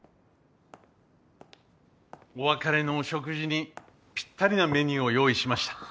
お別れのお食事にぴったりなメニューを用意しました。